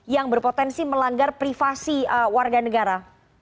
yang berpotensi melanggar privasi warga negara